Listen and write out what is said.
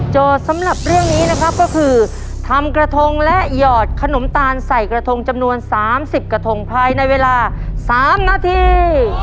สำหรับเรื่องนี้นะครับก็คือทำกระทงและหยอดขนมตาลใส่กระทงจำนวน๓๐กระทงภายในเวลา๓นาที